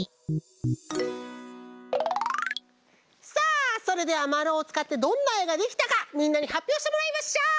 さあそれではまるをつかってどんなえができたかみんなにはっぴょうしてもらいましょう！